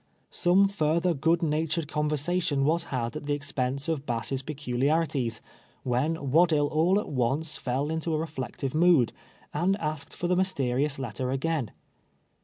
Some further good natured conversation was had at the expense of Bass' peculiarities, when AVaddill all at once fell into a reflective mood, and asked for the mysterious letter again.